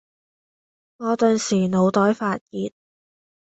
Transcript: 我頓時腦袋發熱